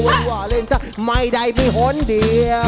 ว้าวว่าเล่นจ้ะไม่ได้มีห้นเดียว